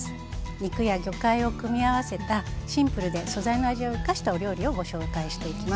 肉や魚介を組み合わせたシンプルで素材の味を生かしたお料理をご紹介していきます。